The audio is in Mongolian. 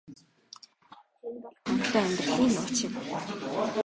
Энэ бол хангалуун амьдралын нууц юм.